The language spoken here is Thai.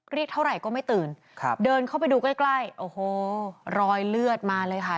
เรียกเท่าไหร่ก็ไม่ตื่นครับเดินเข้าไปดูใกล้ใกล้โอ้โหรอยเลือดมาเลยค่ะ